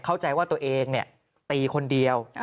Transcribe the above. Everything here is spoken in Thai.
เข้าใจว่าตัวเองตีคนเดียว